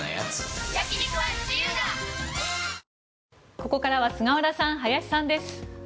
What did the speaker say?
ここからは菅原さん、林さんです。